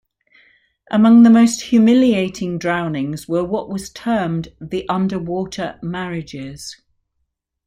Among the most humiliating drownings were what was termed the "underwater marriages".